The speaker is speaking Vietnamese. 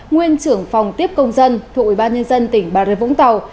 nguyên trưởng phòng tiếp công dân thuộc ủy ban nhân dân tp vũng tàu